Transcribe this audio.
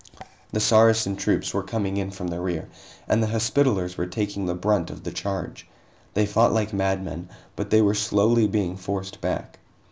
The Saracen troops were coming in from the rear, and the Hospitallers were taking the brunt of the charge. They fought like madmen, but they were slowly being forced back.